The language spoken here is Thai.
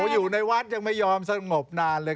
อยู่ในวัดยังไม่ยอมสงบนานเลย